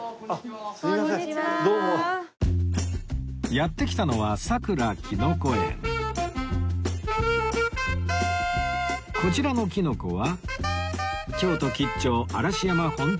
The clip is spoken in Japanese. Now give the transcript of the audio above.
やって来たのはこちらのきのこは